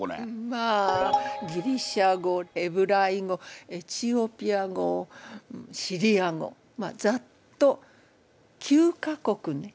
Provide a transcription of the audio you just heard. まあギリシャ語ヘブライ語エチオピア語シリア語まあざっと９か国ね。